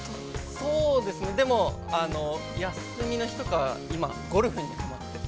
◆そうですね、休みの日とか今、ゴルフにはまってて。